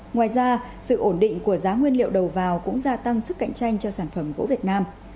ngoài ra sự ổn định của giá nguyên liệu đầu vào cũng gia tăng sức cạnh tranh cho sản phẩm gỗ việt nam